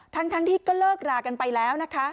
ทั้งที่ก็เลิกรากันไปแล้วนะคะ